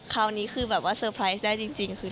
คราวนี้คือแบบว่าเซอร์ไพรส์ได้จริงคือ